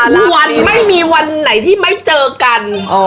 ทุกวันไม่มีวันไหนที่ไม่เจอกัน